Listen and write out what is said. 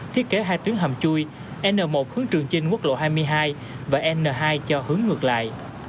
thiết kế hai tuyến hầm chui n một hướng trường trên quốc lộ hai mươi hai và n hai cho hướng ngược lại